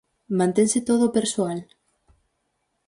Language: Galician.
¿Mantense todo o persoal?